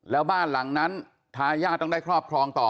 แล้วบ้านหลังนั้นทายาทต้องได้ครอบครองต่อ